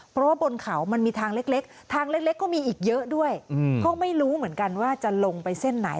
เพราะว่าบนเขามันมีทางเล็กทางเล็กก็มีอีกเยอะด้วยก็ไม่รู้เหมือนกันว่าจะลงไปเส้นไหน